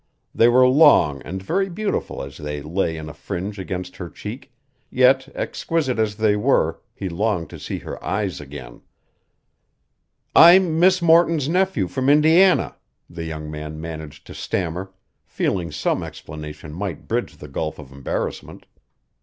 They were long and very beautiful as they lay in a fringe against her cheek, yet exquisite as they were he longed to see her eyes again. "I'm Miss Morton's nephew from Indiana," the young man managed to stammer, feeling some explanation might bridge the gulf of embarrassment.